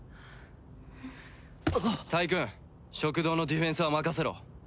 タイクーン食堂のディフェンスは任せろ。